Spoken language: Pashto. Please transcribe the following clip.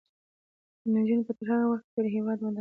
نجونې به تر هغه وخته پورې هیواد ودانوي.